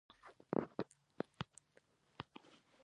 موږ د باندې ورته منتظر وو.